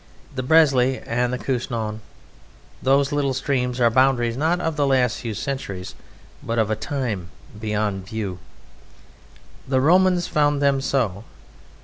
The Bresle and the Couesnon, those little streams, are boundaries not of these last few centuries, but of a time beyond view; the Romans found them so.